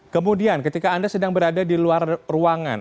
kemudian ketika anda sedang berada di luar ruangan